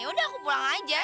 yaudah aku pulang aja